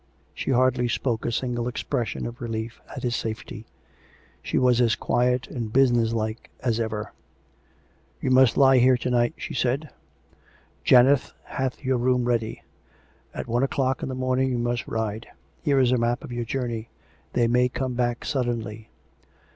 She hardly spoke a single expression of relief at his safety. She was as quiet and business like as ever. " You must lie here to night," she said. " Janet hath your room ready. At one o'clock in the morning you must ride: here is a map of your journey. They may come back suddenly.